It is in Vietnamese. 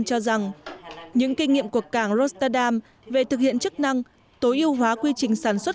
cho rằng những kinh nghiệm của cảng rostadam về thực hiện chức năng tối ưu hóa quy trình sản xuất